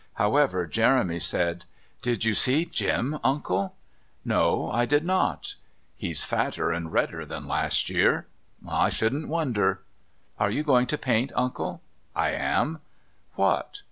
However, Jeremy said: "Did you see Jim, Uncle?" "No, I did not." "He's fatter and redder than last year." "I shouldn't wonder." "Are you going to paint, Uncle?" "I am." "What?"